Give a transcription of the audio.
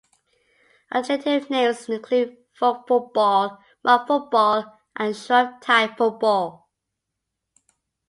Alternative names include folk football, mob football and Shrovetide football.